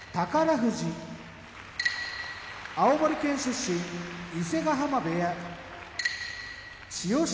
富士青森県出身伊勢ヶ濱部屋千代翔